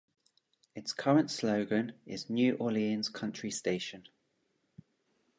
Its current slogan is New Orleans Country Station.